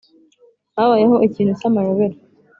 habayeho ikintu cy’amayobera